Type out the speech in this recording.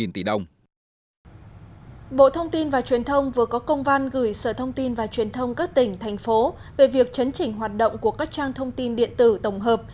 bộ thông tin và truyền thông vừa có công văn gửi sở thông tin và truyền thông các tỉnh thành phố về việc chấn chỉnh hoạt động của các trang thông tin điện tử tổng hợp